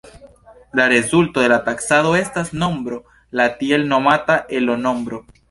La rezulto de la taksado estas nombro, la tiel nomata Elo-nombro.